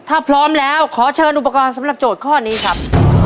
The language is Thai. ถ้าพร้อมแล้วขอเชิญอุปกรณ์สำหรับโจทย์ข้อนี้ครับ